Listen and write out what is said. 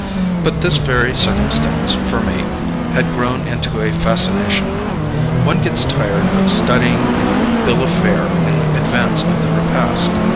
But this very circumstance, for me, had grown into a fascination. One gets tired of studying the bill of fare in advance of the repast.